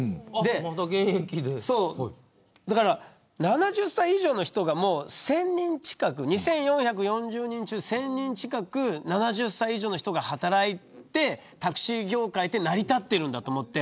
まず７０歳以上の人が１０００人近く２４４０人中１０００人近く７０歳以上の人が働いてタクシー業界は成り立っているんだと思って。